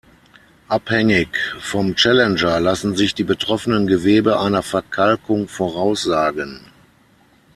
Abhängig vom Challenger lassen sich die betroffenen Gewebe einer Verkalkung voraussagen.